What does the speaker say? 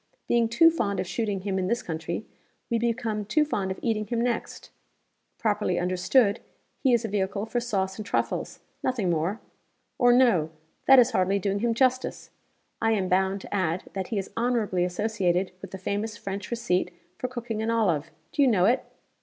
Being too fond of shooting him in this country, we become too fond of eating him next. Properly understood, he is a vehicle for sauce and truffles nothing more. Or no that is hardly doing him justice. I am bound to add that he is honorably associated with the famous French receipt for cooking an olive. Do you know it?"